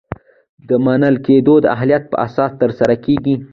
دا منل کیدل د اهلیت په اساس ترسره کیږي.